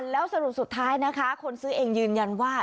แล้วสรุปสุดท้ายนะคะคนซื้อเองยืนยันว่า